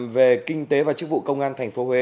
về kinh tế và chức vụ công an tp huế